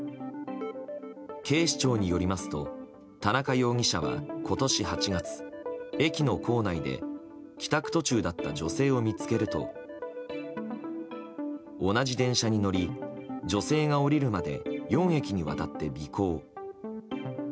警視庁によりますと田中容疑者は今年８月駅の構内で、帰宅途中だった女性を見つけると同じ電車に乗り女性が降りるまで４駅にわたって尾行。